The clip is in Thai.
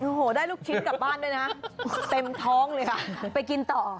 โอ้โหได้ลูกชิ้นกลับบ้านด้วยนะเต็มท้องเลยค่ะไปกินต่อ